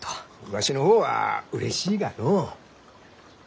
わしの方はうれしいがのう。